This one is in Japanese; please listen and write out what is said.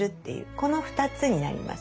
この２つになります。